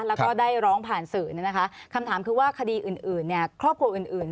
แล้วก็ได้ร้องผ่านสื่อคำถามคือว่าคดีอื่นครอบครัวอื่น